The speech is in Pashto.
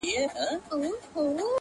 زما دقام خلګ چي جوړ سي رقيبان ساتي,